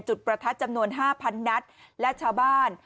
ประทัดจำนวน๕๐๐นัดและชาวบ้าน